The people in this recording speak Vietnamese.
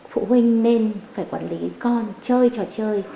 phụ huynh nên phải quản lý con chơi trò chơi